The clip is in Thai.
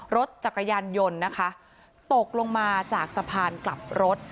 รถจักรยานยนต์นะคะตกลงมาจากสะพานกลับรถ